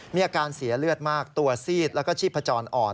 มีอาการเสียเลือดมากตัวซีดแล้วก็ชีพจรอ่อน